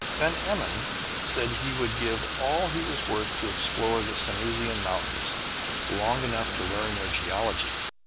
Van Emmon said he would give all he was worth to explore the Sanusian mountains long enough to learn their geology.